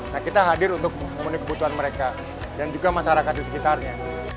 nah kita hadir untuk memenuhi kebutuhan mereka dan juga masyarakat di sekitarnya